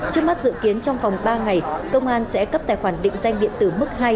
trước mắt dự kiến trong vòng ba ngày công an sẽ cấp tài khoản định danh điện tử mức hai